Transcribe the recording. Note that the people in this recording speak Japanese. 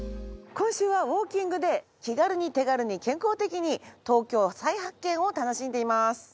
今週はウォーキングで気軽に手軽に健康的に東京再発見を楽しんでいます。